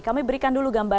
kami berikan dulu gambar